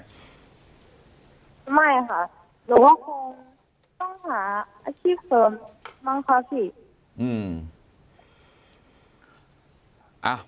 ไม่ค่ะต้องหาอาชีพเพิ่มบางคราวที่